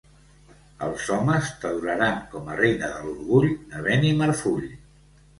Els homes t'adoraren com a reina de l'orgull de Benimarfull.